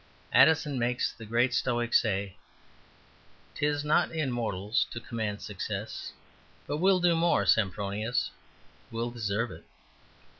Addison makes the great Stoic say "'Tis not in mortals to command success; But we'll do more, Sempronius, we'll deserve it."